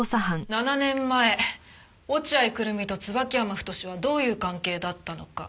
７年前落合久瑠実と椿山太はどういう関係だったのか？